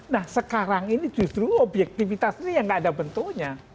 nah sekarang ini justru objektivitas ini yang gak ada bentuknya